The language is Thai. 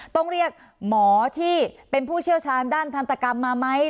ต้องเรียกหมอที่เป็นผู้เชี่ยวชาญด้านทันตกรรมมาไหม